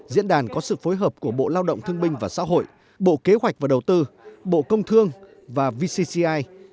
diễn đàn có sự phối hợp của bộ lao động thương binh và xã hội bộ kế hoạch và đầu tư bộ công thương và vcci